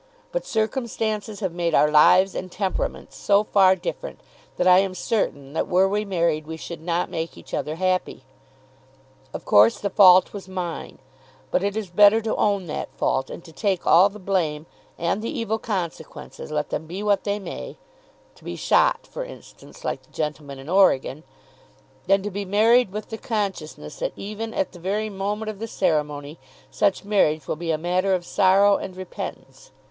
But circumstances have made our lives and temperaments so far different, that I am certain that, were we married, we should not make each other happy. Of course the fault was mine; but it is better to own that fault, and to take all the blame, and the evil consequences, let them be what they may, to be shot, for instance, like the gentleman in Oregon, than to be married with the consciousness that even at the very moment of the ceremony, such marriage will be a matter of sorrow and repentance.